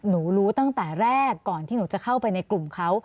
รู้ตั้งแต่แรกก่อนที่หนูจะเข้าไปในกลุ่มเขา